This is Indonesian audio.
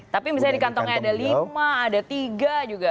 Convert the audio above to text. tapi misalnya di kantongnya ada lima ada tiga juga